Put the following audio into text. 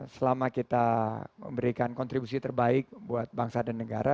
selama kita memberikan kontribusi terbaik buat bangsa dan negara